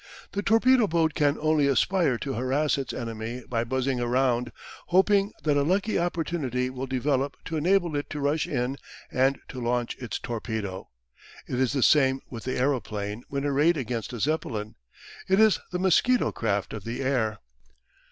The torpedo boat can only aspire to harass its enemy by buzzing around, hoping that a lucky opportunity will develop to enable it to rush in and to launch its torpedo. It is the same with the aeroplane when arrayed against a Zeppelin. It is the mosquito craft of the air.